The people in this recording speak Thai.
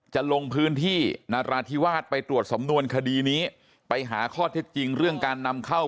จะลงพื้นที่นาราธิวาสไปตรวจสำนวนคดีนี้ไปหาข้อเท็จจริงเรื่องการนำเข้า